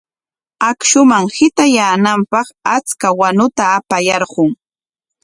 Akshuman hitayaananpaq achka wanuta apayarqun.